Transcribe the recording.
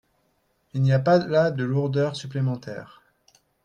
Il n’y a pas là de lourdeur supplémentaire.